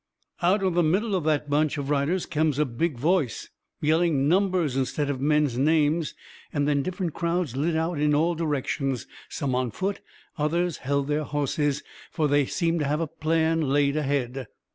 Out of the middle of that bunch of riders come a big voice, yelling numbers, instead of men's names. Then different crowds lit out in all directions some on foot, while others held their hosses fur they seemed to have a plan laid ahead.